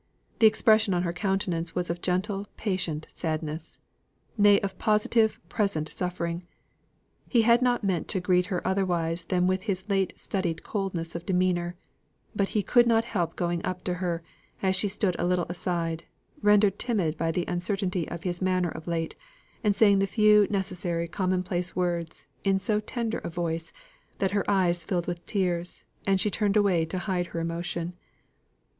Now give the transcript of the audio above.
The expression on her countenance was of gentle patient sadness nay of positive present suffering. He had not meant to greet her otherwise than with his late studied coldness of demeanour; but he could not help going up to her, as she stood a little aside, rendered timid by the uncertainty of his manner of late, and saying the few necessary common place words in so tender a voice, that her eyes filled with tears, and she turned away to hide her emotion.